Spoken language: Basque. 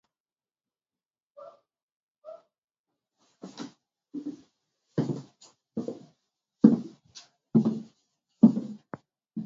Bigarren zatian berdindu egin zen norgehiagoka.